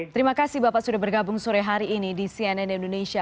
terima kasih bapak sudah bergabung sore hari ini di cnn indonesia